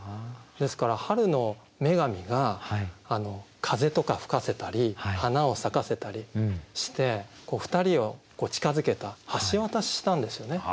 ですから春の女神が風とか吹かせたり花を咲かせたりして２人を近づけた橋渡ししたんですよね。